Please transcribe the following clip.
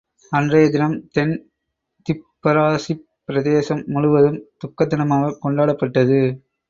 அன்றையதினம் தென் திப்பெராசிப் பிரதேசம் முழுவதும் துக்கத்தினமாகக் கொண்டாடப்பட்டது.